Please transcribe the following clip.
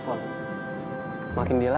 apakah itu maksudmu begitu